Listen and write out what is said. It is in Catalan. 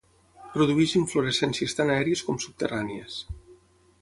Produeix inflorescències tant aèries com subterrànies.